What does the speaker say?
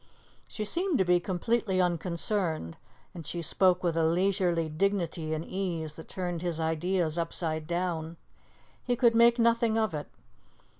She seemed to be completely unconcerned, and she spoke with a leisurely dignity and ease that turned his ideas upside down. He could make nothing of it.